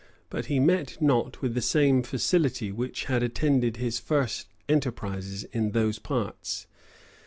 But he met not with the same facility which had attended his first enterprises in those parts.